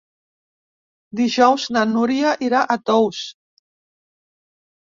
Dijous na Núria irà a Tous.